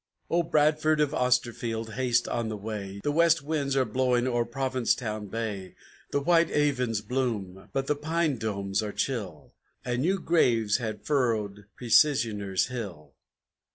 III O Bradford of Austerfield haste on thy way. The west winds are blowing o'er Provincetown Bay, The white avens bloom, but the pine domes are chill, And new graves have furrowed Precisioners' Hill!